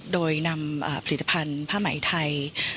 โดยนำผลิตภัณฑ์ผ้าไหมไทย